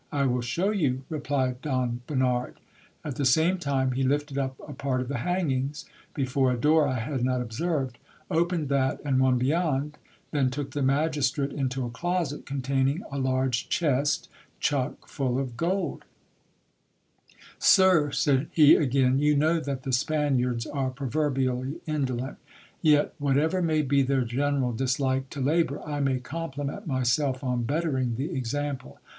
I will show you, replied Don Bernard. At the same time he lifted up a part of the hangings, before a door I had not observed, opened that and one beyond, then took the magistrate into a closet containing a large dies', chuck full of gold. MEETS WITH CAPTAIN ROLANDO. 79 Sir, said he again, you know that the Spaniards are proverbially indolent ; yet, whatever may be their general dislike to labour, I may compliment myself on bettering the example.